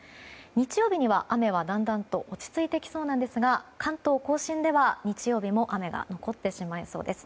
日曜日には、雨はだんだんと落ち着いてきそうなんですが関東・甲信では日曜日も雨が残ってしまいそうです。